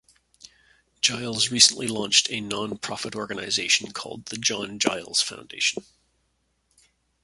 Giles recently launched a non-profit organisation called the "John Giles Foundation".